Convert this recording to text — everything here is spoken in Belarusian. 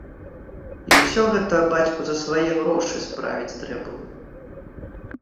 І ўсё гэта бацьку за свае грошы справіць трэ было.